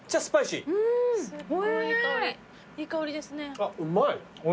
あっうまい。